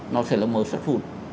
nó sẽ là mờ sắt phụt